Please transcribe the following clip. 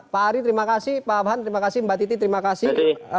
pak ari terima kasih pak abhan terima kasih mbak titi terima kasih